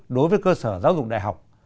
đối với cơ sở giáo dục đại học